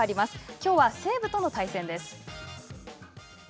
きょうは西武との対戦です。